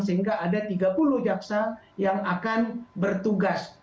sehingga ada tiga puluh jaksa yang akan bertugas